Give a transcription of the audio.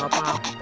gak apa apa cinta